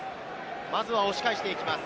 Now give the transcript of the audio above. まずは押し返していきます。